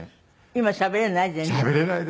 今しゃべれない？